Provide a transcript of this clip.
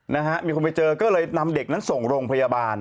นะฮะมีคนไปเจอก็เลยนำเด็กนั้นส่งโรงพยาบาล